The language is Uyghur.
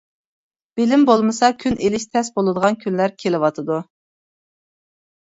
بىلىم بولمىسا كۈن ئېلىش تەس بولىدىغان كۈنلەر كېلىۋاتىدۇ.